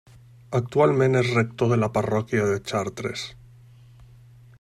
Actualment és rector de la parròquia de Chartres.